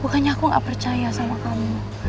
bukannya aku nggak percaya sama kamu